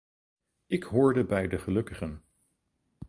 Ik hoorde bij de gelukkigen.